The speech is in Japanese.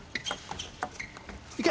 いけ！